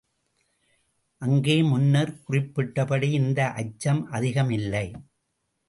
அங்கே முன்னர் குறிப்பிட்டபடி இந்த அச்சம் அதிகம் இல்லை.